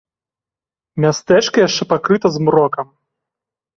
Мястэчка яшчэ пакрыта змрокам.